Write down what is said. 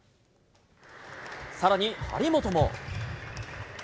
さらに張本も。